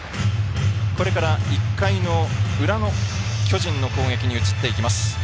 これから１回の裏の巨人の攻撃に移っていきます。